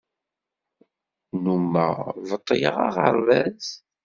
Nnummeɣ beṭṭleɣ aɣerbaz.